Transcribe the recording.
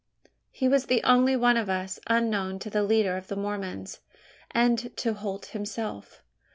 He was the only one of us unknown to the leader of the Mormons, and to Holt himself.